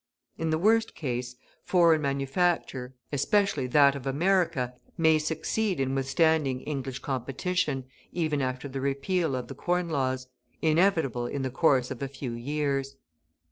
In the worst case, foreign manufacture, especially that of America, may succeed in withstanding English competition, even after the repeal of the Corn Laws, inevitable in the course of a few years.